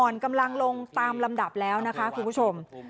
อ่อนกำลังลงตามลำดับแล้วนะคะคุณผู้ชม